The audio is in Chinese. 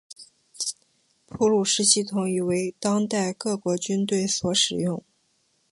普鲁士系统已为当代各国军队所使用。